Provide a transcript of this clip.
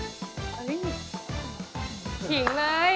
เฮ่ย